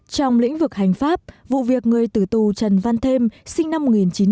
trong lĩnh vực hành pháp vụ việc người tử tù trần văn thêm sinh năm một nghìn chín trăm ba mươi sáu ở yên phong